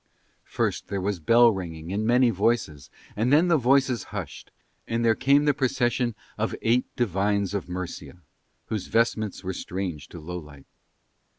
First there was bell ringing and many voices, and then the voices hushed, and there came the procession of eight divines of Murcia, whose vestments were strange to Lowlight.